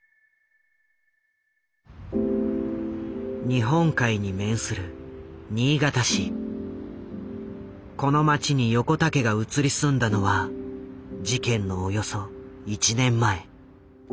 日本海に面するこの街に横田家が移り住んだのは事件のおよそ１年前。